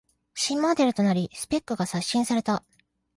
新モデルとなりスペックが刷新された